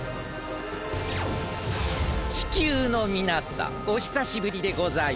地球のみなさんおひさしぶりでございます。